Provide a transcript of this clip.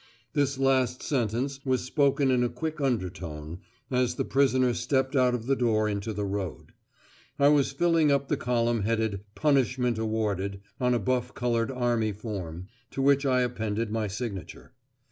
This last sentence was spoken in a quick undertone, as the prisoner stepped out of the door into the road. I was filling up the column headed "Punishment awarded" on a buff coloured Army Form, to which I appended my signature.